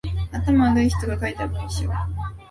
頭悪い人が書いた文章